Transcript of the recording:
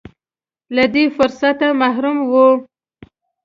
له دې فرصته محروم و.